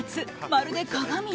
まるで鏡！？